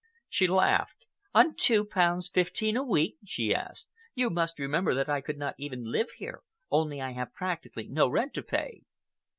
She laughed. "On two pounds fifteen a week?" she asked. "You must remember that I could not even live here, only I have practically no rent to pay."